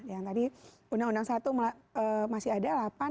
yang tadi undang undang satu masih ada